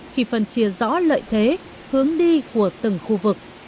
khi phân chia rõ lợi thế hướng đi của từng khu vực